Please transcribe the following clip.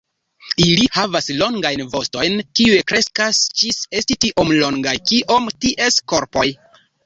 Ili havas longajn vostojn kiuj kreskas ĝis esti tiom longaj kiom ties korpoj.